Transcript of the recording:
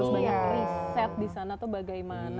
reset di sana tuh bagaimana